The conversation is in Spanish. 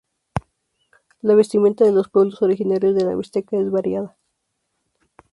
La vestimenta de los pueblos originarios de La Mixteca es variada.